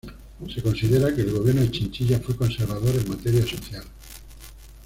Se considera que el gobierno de Chinchilla fue conservador en materia social.